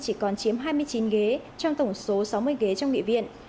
chỉ còn chiếm hai mươi chín ghế trong tổng số sáu mươi ghế trong nghị viện